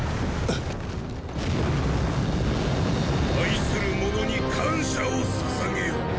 愛する者に感謝を捧げよ。